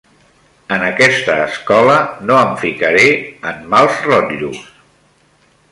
En aquesta escola no em ficaré en mals rotllos.